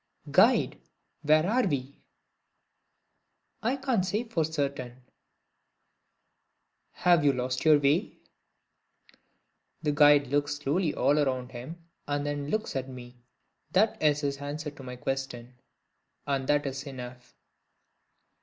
"GUIDE! Where are we?" "I can't say for certain." "Have you lost your way?" The guide looks slowly all round him, and then looks at me. That is his answer to my question. And that is enough.